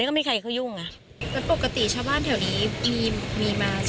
มีมาสุขสิ่งที่บ้านนี้ไหม